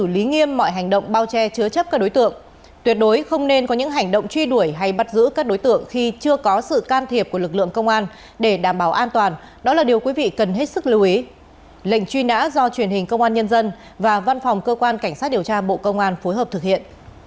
lệnh truy nã do truyền hình công an nhân dân và văn phòng cơ quan cảnh sát điều tra bộ công an phối hợp thực hiện